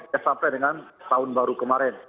ya sampai dengan tahun baru kemarin